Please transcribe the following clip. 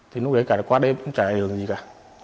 thì lúc đấy cả qua đêm cũng chả lấy được gì cả